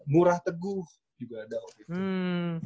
murah teguh juga ada waktu itu